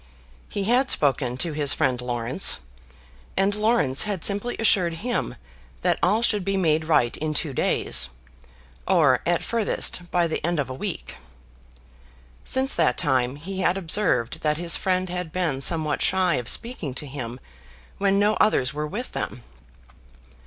He had spoken to his friend Laurence, and Laurence had simply assured him that all should be made right in two days, or, at furthest, by the end of a week. Since that time he had observed that his friend had been somewhat shy of speaking to him when no others were with them.